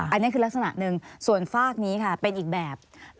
อันนี้คือลักษณะหนึ่งส่วนฝากนี้ค่ะเป็นอีกแบบ